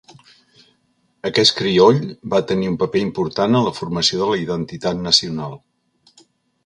Aquest crioll va tenir un paper important en la formació de la identitat nacional.